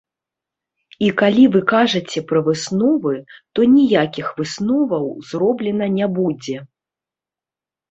І калі вы кажаце пра высновы, то ніякіх высноваў зроблена не будзе.